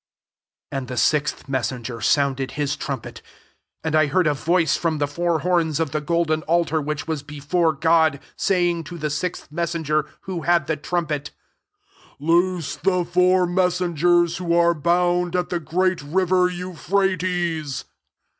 13 And the sixth messenger sounded his trumpet; and I heard a voice from the four horns of the golden altar which was before God, 14 saying to the sixth messenger who had the trumpet^ " Loose the four messengers who are bound at the great river Euphrates.''